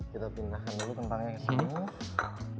kita pindahkan dulu kentangnya ke sini